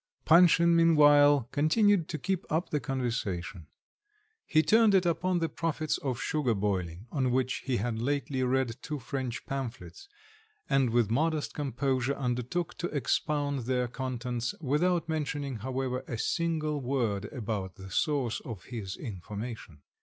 Panshin meanwhile continued to keep up the conversation. He turned it upon the profits of sugar boiling, on which he had lately read two French pamphlets, and with modest composure undertook to expound their contents, without mentioning, however, a single word about the source of his information.